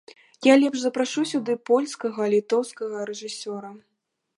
Я лепш запрашу сюды польскага, літоўскага рэжысёра.